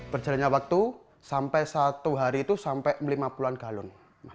berjalannya waktu sampai satu hari itu sampai lima puluh an galon